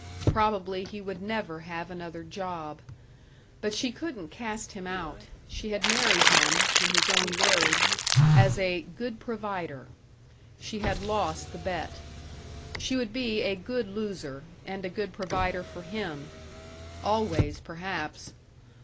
Probably he would never have another job. But she couldn't cast him out. She had married him, in his own words, as a "good provider." She had lost the bet; she would be a good loser and a good provider for him.... Always, perhaps....